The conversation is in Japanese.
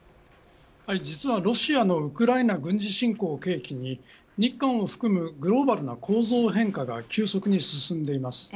実はロシアのウクライナ軍事侵攻を契機に日韓を含むグローバルな構造変化が急速に進んでいます。